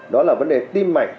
đó là vấn đề tim mạch